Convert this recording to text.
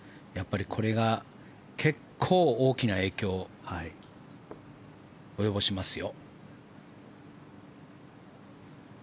これが結構、大きな影響を及ぼしますよ。